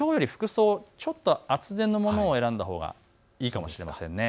きょうより服装、厚手のものを選んだほうがいいかもしれません。